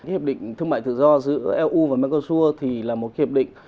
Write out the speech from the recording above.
hiệp định thương mại tự do giữa eu và mekosua thì là một cái hiệp định